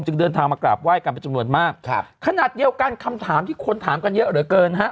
เดินทางมากราบไห้กันเป็นจำนวนมากครับขนาดเดียวกันคำถามที่คนถามกันเยอะเหลือเกินฮะ